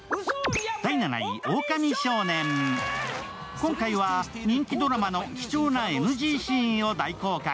今回は人気ドラマの貴重なＮＧシーンを大公開。